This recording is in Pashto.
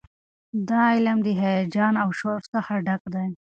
دا علم د هیجان او شور څخه ډک دی.